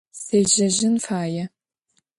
Сежьэжьын фае.